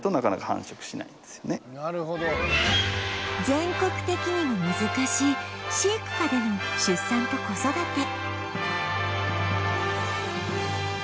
全国的にも難しい飼育下での出産と子育て